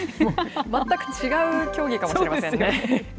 全く違う競技かもしれませんね。